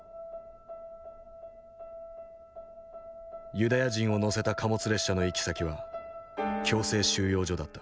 ユダヤ人を乗せた貨物列車の行き先は強制収容所だった。